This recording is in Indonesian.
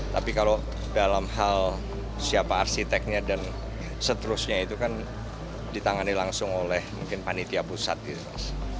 tapi kalau dalam hal siapa arsiteknya dan seterusnya itu kan ditangani langsung oleh mungkin panitia pusat gitu mas